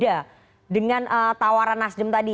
karena mas hasto itu masih masih masih di dalam perjalanan